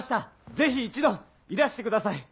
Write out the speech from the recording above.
ぜひ一度いらしてください！